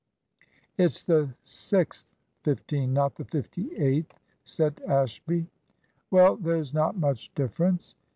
"It's the 6th fifteen, not the 58th," said Ashby. "Well, there's not much difference."